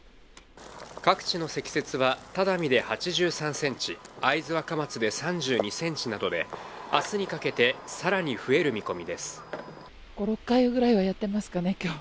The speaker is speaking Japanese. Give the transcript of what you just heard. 各地の積雪は只見で８３ｃｍ、会津若松で３２ｃｍなどで、明日にかけて更に増える見込みです。